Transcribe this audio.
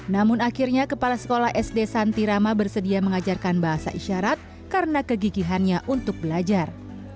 namun akhirnya kepala sekolah sd santirama bersedia mengajarkan bahasa isyarat karena kegigihannya untuk belajar